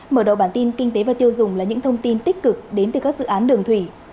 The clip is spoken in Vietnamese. mở đầu bản tin kinh tế và tiêu dùng là những thông tin tích cực đến từ các dự án đường thủy